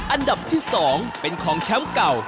อันดับที่๒เป็นของแชมป์เก่า